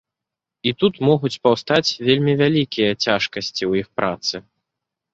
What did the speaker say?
І тут могуць паўстаць вельмі вялікія цяжкасці ў іх працы.